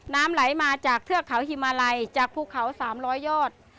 น้ำไหลมาจากเทือกเขาฮิมาลัยจากภูเขา๓๐๐ยอด